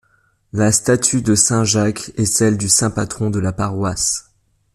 La statue de saint Jacques est celle du saint patron de la paroisse.